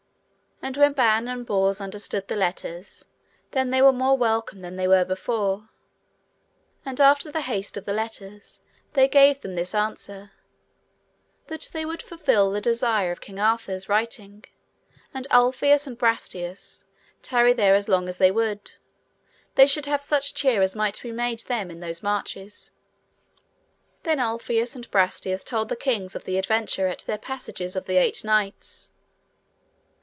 And when Ban and Bors understood the letters, then they were more welcome than they were before. And after the haste of the letters they gave them this answer, that they would fulfil the desire of King Arthur's writing, and Ulfius and Brastias, tarry there as long as they would, they should have such cheer as might be made them in those marches. Then Ulfius and Brastias told the kings of the adventure at their passages of the eight knights.